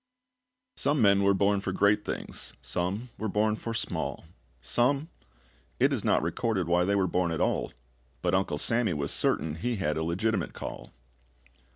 Some men were born for great things, Some were born for small; Some it is not recorded Why they were born at all; But Uncle Sammy was certain he had a legitimate call.